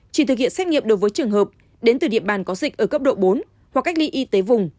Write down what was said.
chỉ thực hiện xét nghiệm đối với trường hợp đến từ địa bàn có dịch ở cấp độ bốn hoặc cách ly y tế vùng